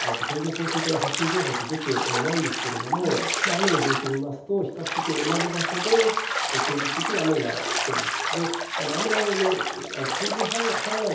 今回、大雨特別警報とか線状降水帯の発生情報、出ていないんですけれども雨の状況を見ますと比較的同じ場所で継続的に雨が降っています。